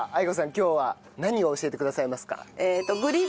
今日は何を教えてくださいますか？